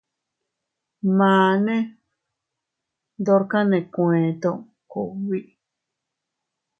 Mane ndorka nee kueeto kugbi.